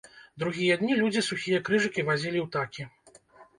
Другія дні людзі сухія крыжыкі вазілі ў такі.